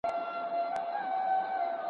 تاسي ولي په داسي سختو خبرو کي ځان پوه کوئ؟